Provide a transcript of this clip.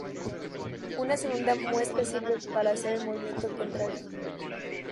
Una segunda muesca sirve para hacer el movimiento contrario.